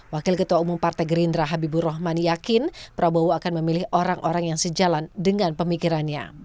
wakil ketua umum partai gerindra habibur rahman yakin prabowo akan memilih orang orang yang sejalan dengan pemikirannya